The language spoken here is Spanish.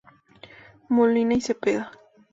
Molina y Cepeda.